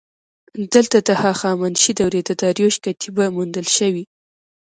دلته د هخامنشي دورې د داریوش کتیبه موندل شوې